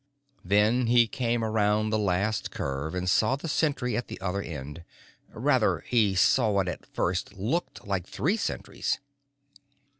Then he came around the last curve and saw the sentry at the other end. Rather, he saw what at first looked like three sentries.